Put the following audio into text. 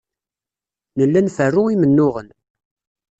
Nella nferru imennuɣen.